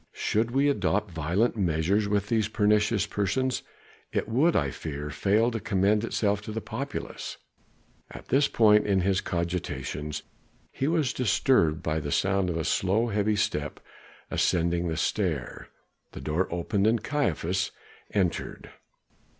Should we adopt violent measures with these pernicious persons it would, I fear, fail to commend itself to the populace." At this point in his cogitations he was disturbed by the sound of a slow heavy step ascending the stair; the door opened and Caiaphas entered.